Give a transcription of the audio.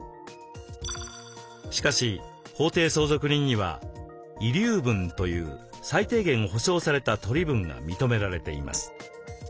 しかし法定相続人には「遺留分」という最低限保証された取り分が認められています。